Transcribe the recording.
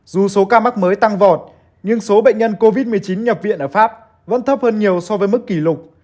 dù số ca mắc mới tăng vọt nhưng số bệnh nhân covid một mươi chín nhập viện ở pháp vẫn thấp hơn nhiều so với mức kỷ lục